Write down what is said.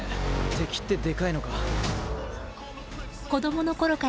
敵ってでかいのか？